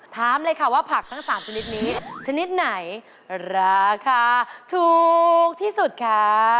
ถามเลยค่ะว่าผักทั้ง๓ชนิดนี้ชนิดไหนราคาถูกที่สุดคะ